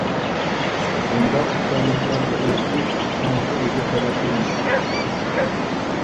بۇنداق خۇشاللىقلارغا ئېرىشىش ئانچە ئەجىر تەلەپ قىلمايدۇ.